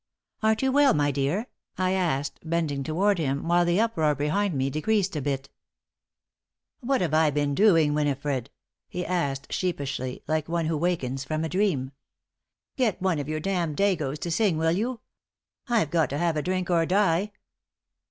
"Aren't you well, my dear?" I asked, bending toward him, while the uproar behind me decreased a bit. "What have I been doing, Winifred?" he asked, sheepishly, like one who wakens from a dream. "Get one of your damned dagos to sing, will you? I've got to have a drink or die!"